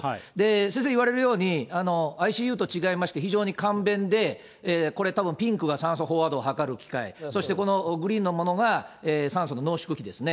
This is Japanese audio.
先生言われるように、ＩＣＵと違いまして、非常に簡便で、これたぶん、ピンクが酸素飽和度を測る機械、そしてこのグリーンのものが酸素の濃縮機ですね。